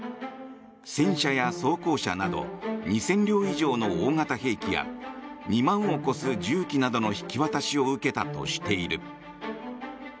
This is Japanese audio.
戦車や装甲車など２０００両以上の大型兵器や２万を超す銃器などの引き渡しを受けたとしている。